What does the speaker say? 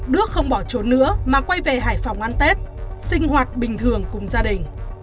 đức không bỏ trốn nữa mà quay về hải phòng ăn tết sinh hoạt bình thường cùng gia đình